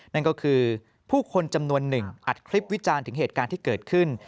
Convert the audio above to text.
นั่นก็คือผู้คนจำนวนหนึ่งอัดคลิปวิจารณ์ถึงเหตุการณ์ที่เกิดขึ้น